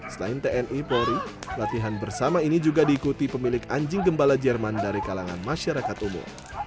selain tni polri latihan bersama ini juga diikuti pemilik anjing gembala jerman dari kalangan masyarakat umum